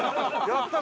やった！